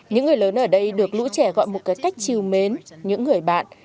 những người lớn ở đây được lũ trẻ gọi một cái cách chiều mến những người bạn